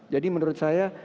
jadi menurut saya